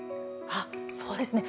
あっそうですね。